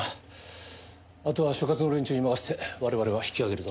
あとは所轄の連中に任せて我々は引き揚げる事に。